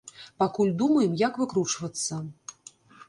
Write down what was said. Пакуль думаем, як выкручвацца.